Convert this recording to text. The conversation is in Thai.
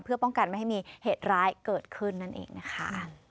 เพื่อป้องกันไม่ให้มีเหตุร้ายเกิดขึ้นนั่นเองนะคะ